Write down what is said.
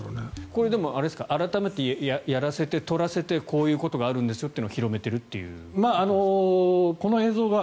これ、改めてやらせて撮らせてこういうことがあるんだよということを広めているということですか？